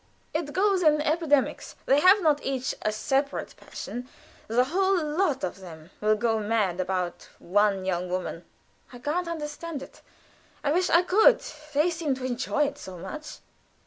It goes in epidemics. They have not each a separate passion. The whole lot of them will go mad about one young woman. I can't understand it. I wish I could, for they seem to enjoy it so much."